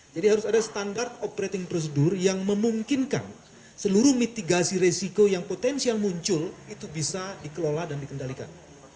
jadi harus ada standar operating prosedur yang memungkinkan seluruh mitigasi resiko yang potensial muncul itu bisa dikelola dan dikendalikan